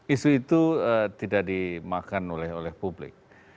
isu itu tidak dimakan oleh publik